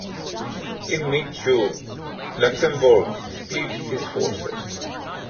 In mid-June Luxembourg split his forces.